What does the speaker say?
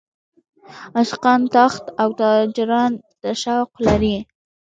عاشقان تاخت او تاراج ته شوق لري.